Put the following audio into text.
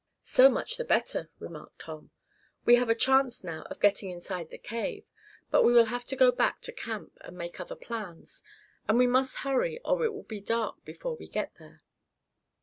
"So much the better," remarked Tom. "We have a chance now of getting inside that cave. But we will have to go back to camp, and make other plans. And we must hurry, or it will be dark before we get there."